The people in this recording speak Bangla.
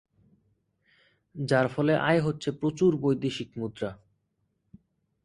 যার ফলে আয় হচ্ছে প্রচুর বৈদেশিক মুদ্রা।